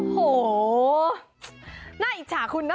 โอ้โหน่าอิจฉาคุณนะ